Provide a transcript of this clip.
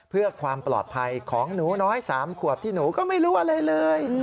เพื่อความปลอดภัยของหนูน้อย๓ขวบที่หนูก็ไม่รู้อะไรเลย